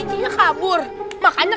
nardi kabur makanya